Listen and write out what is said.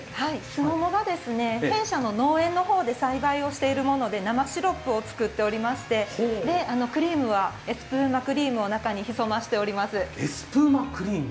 すももが弊社の農園で栽培しているもので生シロップを作っておりましてクリームはエスプーマクリームを中に潜ませております。